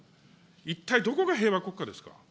一体どこが平和国家ですか。